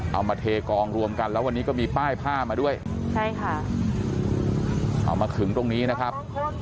เอามาเทกองรวมกันแล้ววันนี้ก็มีป้ายผ้ามาด้วยใช่ค่ะเอามาขึงตรงนี้นะครับ